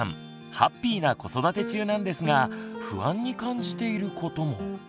ハッピーな子育て中なんですが不安に感じていることも。